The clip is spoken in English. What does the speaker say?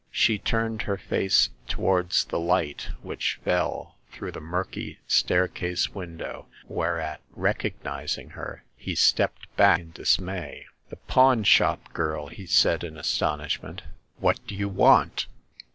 She turned her face towards the light which fell through the murky staircase window, whereat, recognizing her, he stepped back in dismay. 7S Hagar of the Pawn Shop. " The pawn shop girl !" said he, in astonish ment. " What do you want